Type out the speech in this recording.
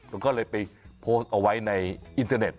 เขาก็เลยไปโพสต์เอาไว้ในอินเทอร์เน็ต